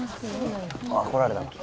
ああ来られたわ。